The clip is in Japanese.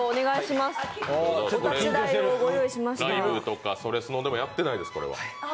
ライブとか「それスノ」でもやってないです、これは。